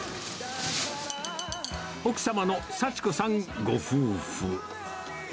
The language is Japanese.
奥様の幸子さんご夫婦。